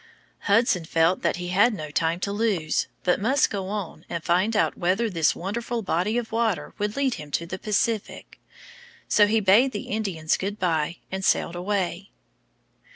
Hudson felt that he had no time to lose, but must go on and find out whether this wonderful body of water would lead him into the Pacific. So he bade the Indians good by and sailed away.